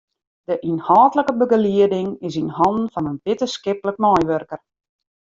De ynhâldlike begelieding is yn hannen fan in wittenskiplik meiwurker.